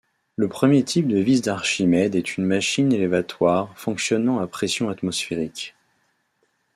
Le premier type de vis d'Archimède est une machine élévatoire fonctionnant à pression atmosphérique.